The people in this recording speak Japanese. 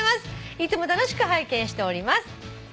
いつも楽しく拝見しております」